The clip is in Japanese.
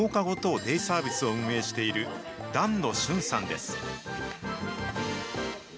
デイサービスを運営している檀野俊さんです。